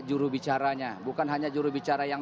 jurubicaranya bukan hanya jurubicara yang